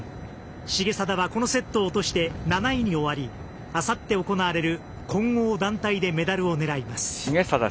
重定は、このセットを落として７位に終わりあさって行われる混合団体でメダルを狙います。